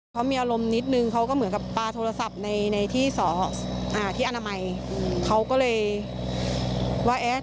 แต่คือเศรษฐกิจไม่ดีก็ไม่ได้ทำอะไรเลย